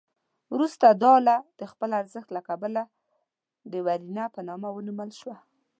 وروسته دا آله د خپل ارزښت له کبله د ورنیه په نامه ونومول شوه.